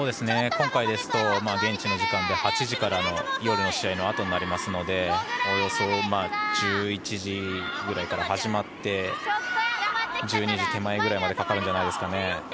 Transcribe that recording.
今回ですと、現地時間で８時からの夜の試合のあとになりますのでおよそ１１時ぐらいから始まって１２時手前ぐらいまでかかるんじゃないですかね。